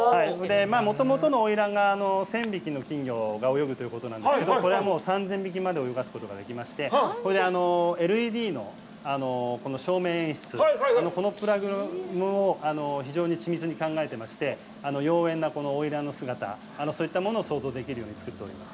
もともとの「花魁」では１０００匹の金魚が泳ぐということなんですけど、これはもう３０００匹まで泳がすことができまして、それでＬＥＤの照明演出、このプログラムを緻密に考えていまして、妖艶な花魁の姿、そういったものを想像できるように作っております。